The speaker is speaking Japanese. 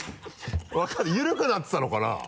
分からない緩くなってたのかな？